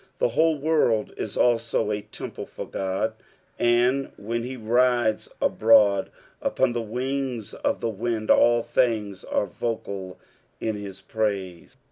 The whole world is also a temple for God, and when he rides abroad upon the wings of the wind, all things are vocal in his praise.